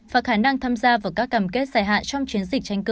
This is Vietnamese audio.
và khả năng tham gia vào các cầm kết dài hạn trong chiến dịch tranh cử